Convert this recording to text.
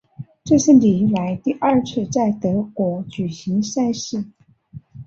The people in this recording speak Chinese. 这是历来第二次在德国举行赛事。